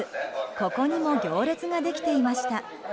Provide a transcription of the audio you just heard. ここにも行列ができていました。